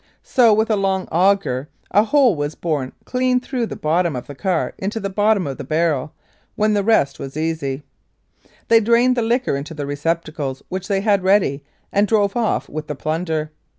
So, with a long auger, a hole was bored clean through the bottom of the car into the bottom of the barrel, when the rest was easy. They drained the liquor into the receptacles which they had ready and drove off with the plunder.